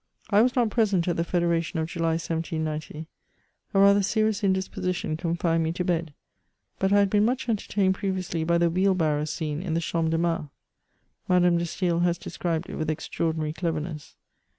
I was not present at the Federation of July, 1790 ; a rather serious indisposition confined me to bed ; but I had been much entertained previously by the wheelharrow scene in the Champ de Mars. Madame de StaSl has described it with extraordinary cleverness.